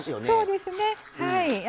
そうですねはい。